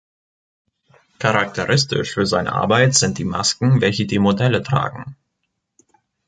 Charakteristisch für seine Arbeit sind die Masken, welche die Modelle tragen.